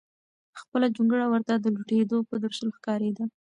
خپله جونګړه ورته د لوټېدو په درشل ښکارېده.